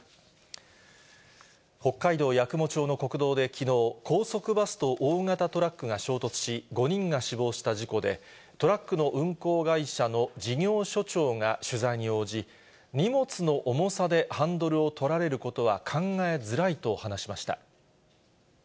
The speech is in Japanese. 北海道八雲町の国道できのう、高速バスと大型トラックが衝突し、５人が死亡した事故で、トラックの運行会社の事業所長が取材に応じ、荷物の重さでハンドルを取られることは考えづらいと話しました。